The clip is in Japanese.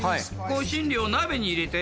香辛料を鍋に入れて。